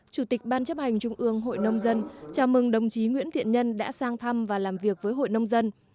chủ tịch ban chấp hành trung ương hội nông dân chào mừng đồng chí nguyễn thiện nhân đã sang thăm và làm việc với hội nông dân